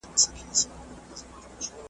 ایا ملي بڼوال وچ زردالو صادروي؟